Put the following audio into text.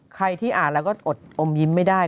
ใครที่อ่านแล้วก็อดอมยิ้มไม่ได้